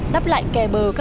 đắp lại kè bờ các nhà cửa